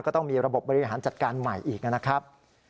ก็ต้องมีระบบบบริหารจัดการใหม่อีกนะครับ